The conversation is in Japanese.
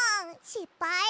しっぱい。